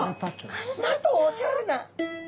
なんとおしゃれな。